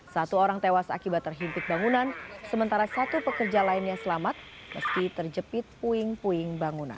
satu orang tewas akibat terhimpit bangunan sementara satu pekerja lainnya selamat meski terjepit puing puing bangunan